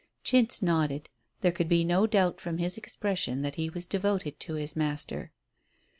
'" Chintz nodded. There could be no doubt from his expression that he was devoted to his master.